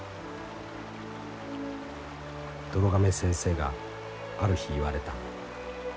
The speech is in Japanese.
「どろ亀先生がある日言われた。